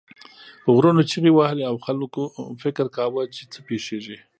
غرونو چیغې وهلې او خلک فکر کاوه چې څه پیښیږي.